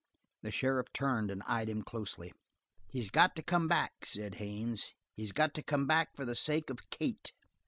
The sheriff turned and eyed him closely. "He's got to come back," said Haines. "He's got to come back for the sake of Kate."